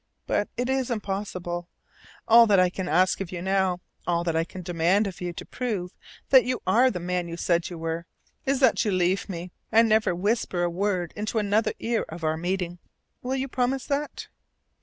But it is impossible. All that I can ask of you now all that I can demand of you to prove that you are the man you said you were is that you leave me, and never whisper a word into another ear of our meeting. Will you promise that?"